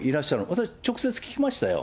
私、直接聞きましたよ。